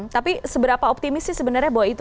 tapi seberapa optimis sih sebenarnya bahwa itu